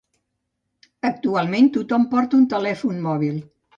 Actualment tothom porta un telèfon mòbil